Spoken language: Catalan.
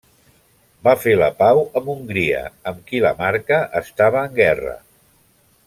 Va fer la pau amb Hongria amb qui la marca estava en guerra.